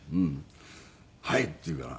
「はい！」って言うから。